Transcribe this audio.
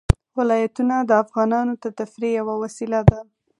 ولایتونه د افغانانو د تفریح یوه وسیله ده.